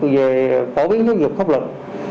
về phổ biến giáo dục khốc lực